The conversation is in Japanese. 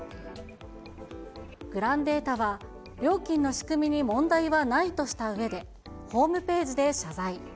グランデータは、料金の仕組みに問題はないとしたうえで、ホームページで謝罪。